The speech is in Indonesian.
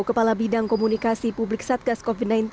kepala bidang komunikasi publik satgas covid sembilan belas